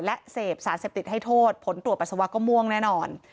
และเสพสารเสพติดให้โทษผลตรวจปัสสาวะก็ม่วงแน่นอน